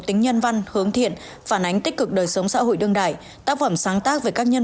tính nhân văn hướng thiện phản ánh tích cực đời sống xã hội đương đại tác phẩm sáng tác về các nhân